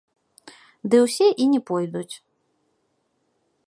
Ды ўсе і не пойдуць.